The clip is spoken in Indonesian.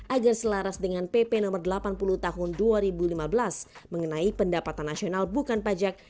agar selaras dengan pp no delapan puluh tahun dua ribu lima belas mengenai pendapatan nasional bukan pajak